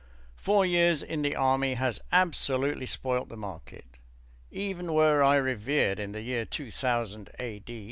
Four years in the Army has absolutely spoilt the market. Even were I revered in the year 2000 A.